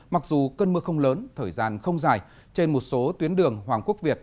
mặc dù cơn mưa không lớn thời gian không dài trên một số tuyến đường hoàng quốc việt